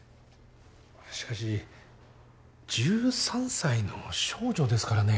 しかし１３歳の少女ですからね。